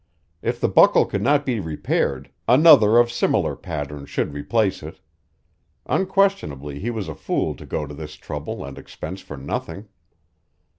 If the buckle could not be repaired, another of similar pattern should replace it. Unquestionably he was a fool to go to this trouble and expense for nothing.